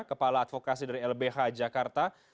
kepala advokasi dari lbh jakarta